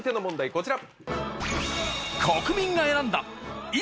こちら。